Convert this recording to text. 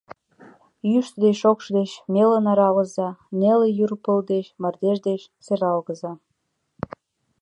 Йӱштӧ деч, шокшо деч мелын аралыза, Неле йӱр пыл деч, мардеж деч серлагыза.